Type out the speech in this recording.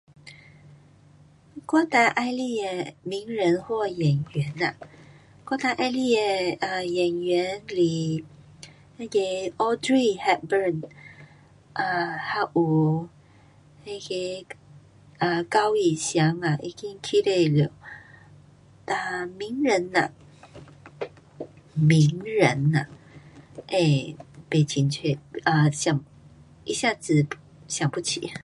我最喜欢的名人或演员呐，我最喜欢的啊演员是那个 Audrey Harburn 啊还有那个啊高羽祥啊已经去世了。哒，名人呐，名人呐，呃，不清楚，啊，一下子想不起